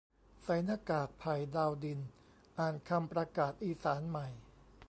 ใส่หน้ากาก "ไผ่ ดาวดิน" อ่านคำประกาศอีสานใหม่